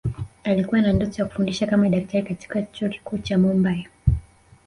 Alikuwa na ndoto ya kufundisha kama daktari katika Chuo Kikuu cha Mumbay